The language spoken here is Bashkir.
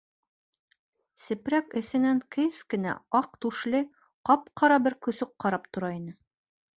Сепрәк эсенән кескенә, аҡ түшле, ҡап-ҡара бер көсөк ҡарап тора ине.